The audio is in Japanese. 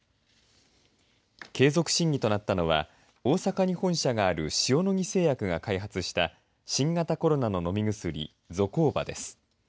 継続審議となったのは大阪に本社がある塩野義製薬が開発した新型コロナの飲み薬ゾコーバです。